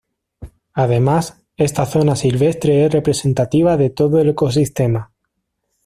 Además, esta zona silvestre es representativa de todo el ecosistema.